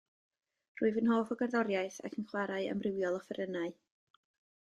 Rwyf yn hoff o gerddoriaeth ac yn chwarae amrywiol offerynnau.